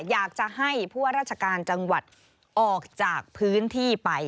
อยากจะให้ผู้ว่าราชการจังหวัดออกจากพื้นที่ไป